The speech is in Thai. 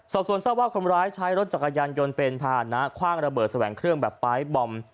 สอบส่วนทราบว่าคนร้ายใช้รถจักรยานยนต์เป็นภาษณะคว่างระเบิดแสวงเครื่องแบบปลายบอม